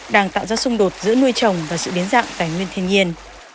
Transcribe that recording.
đang tạo ra xung đột giữa nuôi trồng và sự biến dạng tài nguyên thiên nhiên